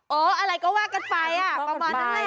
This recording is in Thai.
เอออะไรก็ว่ากันไปประมาณนั้นแหละ